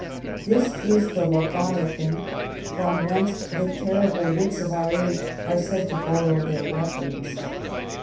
This is the Leviathan, from whence the terrible wits of our age are said to borrow their weapons.